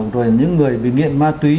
rồi những người bị nghiện ma túy